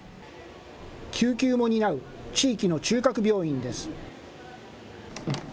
救急も担う地域の中核病院です。